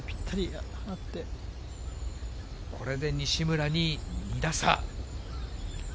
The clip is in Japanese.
これで西村に２打差。